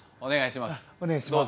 お願いします。